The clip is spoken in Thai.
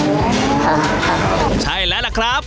ครับครับใช่แล้วล่ะครับ